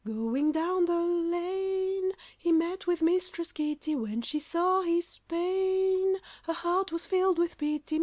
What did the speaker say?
Going down the lane, He met with Mistress Kitty; When she saw his pain, Her heart was filled with pity.